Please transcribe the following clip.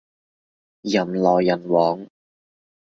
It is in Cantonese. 人來人往